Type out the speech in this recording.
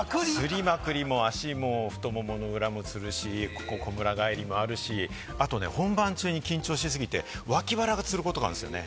足、太ももの裏もつるし、こむら返りもあるし、あと本番中に緊張しすぎて脇腹がつることあるんですよね。